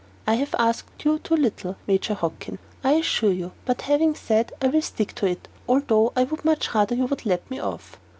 I have asked you too little, Major Hockin, I assure you; but having said, I will stick to it, although I would much rather you would let me off."